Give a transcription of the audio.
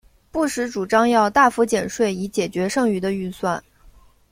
布什主张要大幅减税以解决剩余的预算。